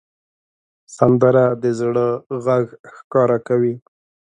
سندره د زړه غږ ښکاره کوي